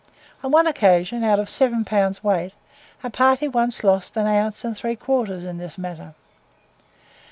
On one occasion, out of seven pounds weight, a party once lost an ounce and three quarters in this manner.